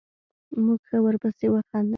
موږ ښه ورپسې وخندل.